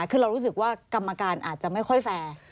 คือเรารู้สึกว่ากรรมการอาจจะไม่ค่อยแฟร์